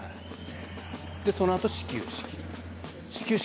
そのあと始球式。